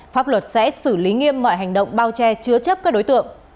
pháp luật sẽ xử lý nghiêm mọi hành động bao che chứa chấp các đối tượng